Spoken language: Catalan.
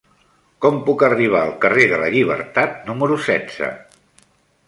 Com puc arribar al carrer de la Llibertat número setze?